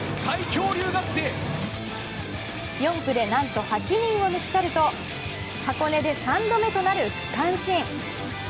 ４区で何と８人を抜き去ると箱根で３度目となる区間新。